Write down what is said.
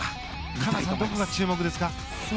環奈さんどこが注目ですか？